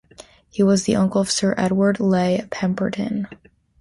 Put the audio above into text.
He was the uncle of Sir Edward Leigh Pemberton.